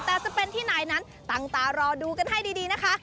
แต่จะเป็นที่ไหนนั้นตั้งตารอดูกันให้ดีนะคะ